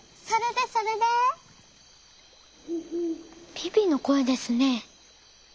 ビビのこえですね。